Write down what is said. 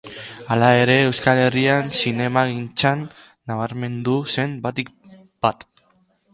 Hala ere, Euskal Herrian zinemagintzan nabarmendu zen batik bat.